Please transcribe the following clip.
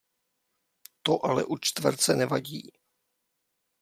To ale u čtverce nevadí.